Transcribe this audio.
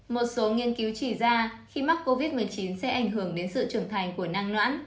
một số nghiên cứu chỉ ra khi mắc covid một mươi chín sẽ ảnh hưởng đến sự trưởng thành của nang loãng